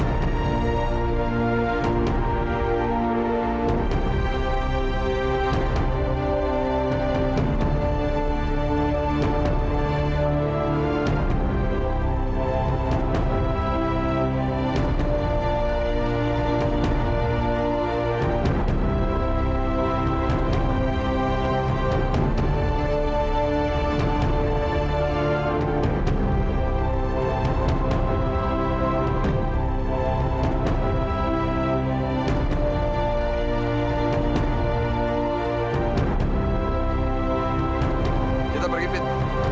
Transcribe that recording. kita pergi fit